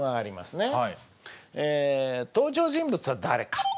え登場人物は誰か？